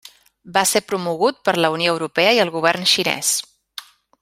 Va ser promogut per la Unió Europea i el govern xinès.